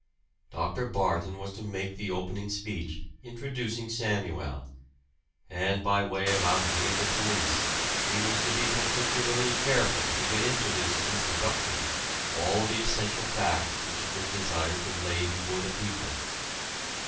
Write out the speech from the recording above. Dr. Barton was to make the opening speech, introducing Samuel; and by way of outwitting the police, he was to be particularly careful to get into this "introduction" all the essential facts which it was desired to lay before the people.